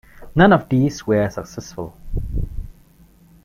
None of these were successful.